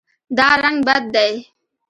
دا رنګ بد دی